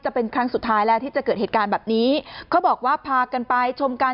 จะเป็นครั้งสุดท้ายแล้วที่จะเกิดเหตุการณ์แบบนี้เขาบอกว่าพากันไปชมกัน